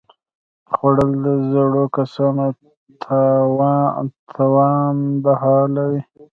خوړل د زړو کسانو توان بحالوي